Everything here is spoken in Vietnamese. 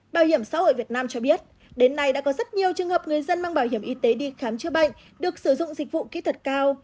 bảo hiểm xã hội việt nam cho biết đến nay đã có rất nhiều trường hợp người dân mang bảo hiểm y tế đi khám chữa bệnh được sử dụng dịch vụ kỹ thuật cao